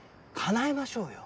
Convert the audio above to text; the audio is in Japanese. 叶えましょうよ。